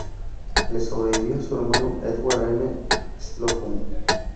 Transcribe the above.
Le sobrevivió su hermano Edward M. Slocum.